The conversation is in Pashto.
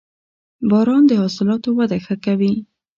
• باران د حاصلاتو وده ښه کوي.